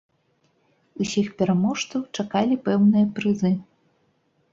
Усіх пераможцаў чакалі пэўныя прызы.